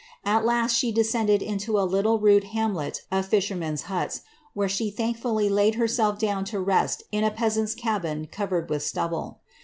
At last she descended into a little rude hamlet of fishermen's huts, where she thankfully laid herself down to rest in a peasant's cabin covered with stubble.